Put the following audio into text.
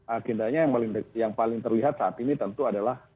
agendanya yang paling terlihat saat ini tentu adalah